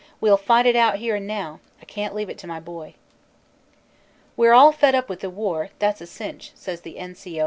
"We ll fight it out here and now; I can t leave it to my boy." "We re all fed up with the war, that s a cinch," says the N. C. O.